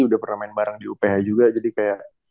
udah pernah main bareng di uph juga jadi kayak